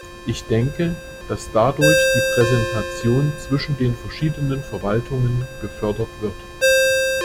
Ich denke, dass dadurch die Präsentation zwischen den verschiedenen Verwaltungen gefördert wird.